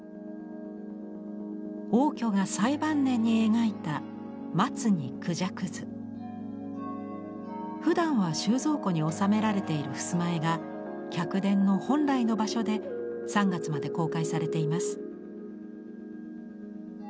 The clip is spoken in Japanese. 応挙が最晩年に描いたふだんは収蔵庫におさめられている襖絵が客殿の本来の場所で３月まで公開されています。